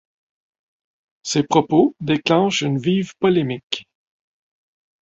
Ces propos déclenchent une vive polémique.